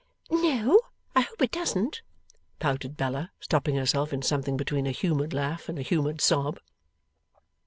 'No, I hope it doesn't,' pouted Bella, stopping herself in something between a humoured laugh and a humoured sob.